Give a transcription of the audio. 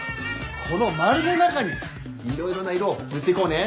このまるの中にいろいろな色を塗っていこうね。